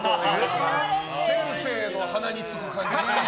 天性の鼻につく感じが。